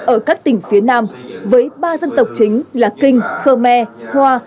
ở các tỉnh phía nam với ba dân tộc chính là kinh khơ me hoa